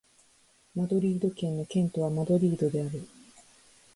マドリード県の県都はマドリードである